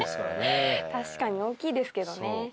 確かに大きいですけどね。